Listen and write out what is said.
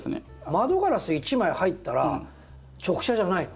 窓ガラス一枚入ったら直射じゃないの？